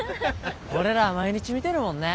俺らは毎日見てるもんね。